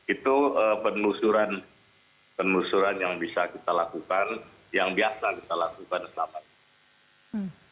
itu penelusuran yang bisa kita lakukan yang biasa kita lakukan selama ini